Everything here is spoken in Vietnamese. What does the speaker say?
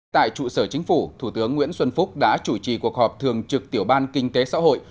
tại trụ sở chính phủ thủ tướng nguyễn xuân phúc đã chủ trì cuộc họp thường trực tiểu ban kinh tế xã hội